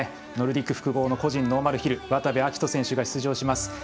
ノルディック複合の個人ノーマルヒル渡部暁斗選手が出場します。